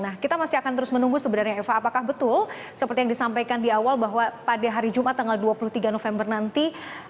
nah kita masih akan terus menunggu sebenarnya eva apakah betul seperti yang disampaikan di awal bahwa pada hari jumat tanggal dua puluh tiga november nanti